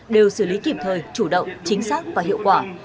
đều xử lý kịp thời chủ động chính xác và hiệu quả